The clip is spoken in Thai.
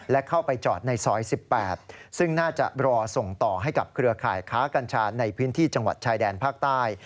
และเข้าไปจอดในซอย๑๘ซึ่งน่าจะรอส่งต่อให้กับเครือข่ายค้ากัญชาในพื้นที่จังหวัดชายแดนภาคใต้